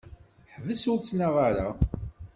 Ḥbes ur ttnaɣ ara.